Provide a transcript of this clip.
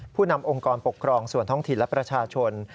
ผู้นำองค์กรปกครองส่วนท้องถิ่นและประชาชน